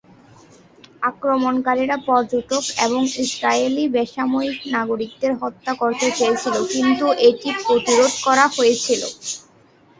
আক্রমণকারীরা পর্যটক এবং ইসরায়েলি বেসামরিক নাগরিকদের হত্যা করতে চেয়েছিল, কিন্তু এটি প্রতিরোধ করা হয়েছিল।